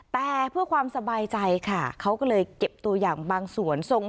แต่เพื่อความสบายใจค่ะเขาก็เลยเก็บตัวอย่างบางส่วน